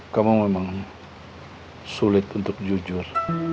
kamu memang sulit untuk jujur